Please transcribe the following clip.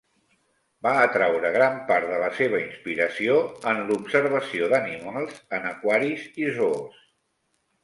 Va atraure gran part de la seva inspiració en l'observació d'animals en aquaris i zoos.